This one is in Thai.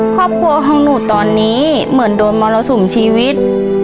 ครอบครัวของหนูตอนนี้เหมือนโดนมรสุมชีวิต